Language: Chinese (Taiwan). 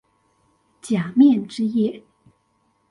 假面之夜